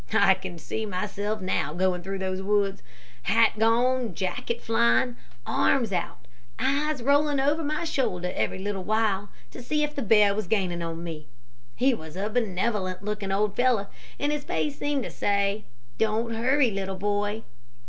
I can see myself now going through those woods hat gone, jacket flying, arms out, eyes rolling over my shoulder every little while to see if the bear was gaining on me. He was a benevolent looking old fellow, and his face seemed to say, 'Don't hurry, little boy.'